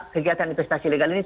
kegiatan investasi legal itu